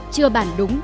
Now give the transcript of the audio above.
chưa bản đúng